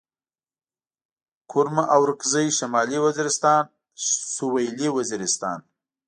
کرم اورکزي شمالي وزيرستان سوېلي وزيرستان